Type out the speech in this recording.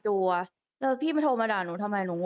พี่ผู้ชายตากลิ้วแล้วพี่ไม่โทรมาด่าหนูทำไมหนูงง